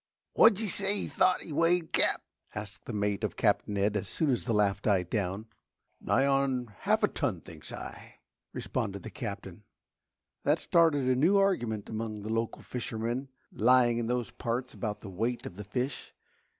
"Whad'ye say ye th'ot he weighed, Cap?" asked the mate of Captain Ed as soon as the laugh died down. "Nigh on half a ton, thinks I," responded the Captain. That started a new argument among the local fishermen "lying" in those parts about the weight of the fish.